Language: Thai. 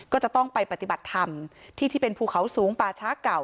ก็จะต้องไปปฏิบัติธรรมที่ที่เป็นภูเขาสูงป่าช้าเก่า